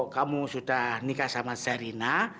kamu sudah nikah sama serina